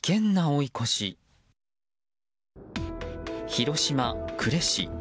広島・呉市。